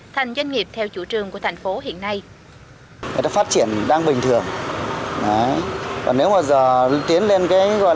thành doanh nghiệp theo chủ trương của thành phố hiện nay